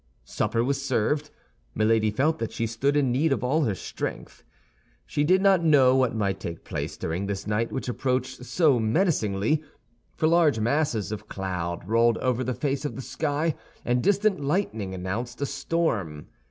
Supper was served. Milady felt that she stood in need of all her strength. She did not know what might take place during this night which approached so menacingly—for large masses of cloud rolled over the face of the sky, and distant lightning announced a storm.